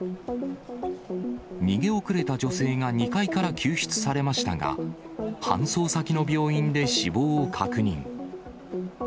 逃げ遅れた女性が２階から救出されましたが、搬送先の病院で死亡を確認。